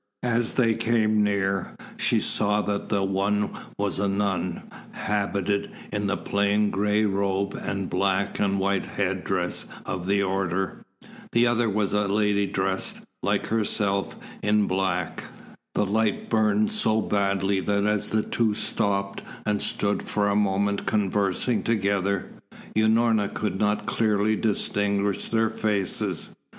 As they came near, she saw that the one was a nun, habited in the plain gray robe and black and white head dress of the order. The other was a lady dressed, like herself, in black. The light burned so badly that as the two stopped and stood for a moment conversing together, Unorna could not clearly distinguish their faces.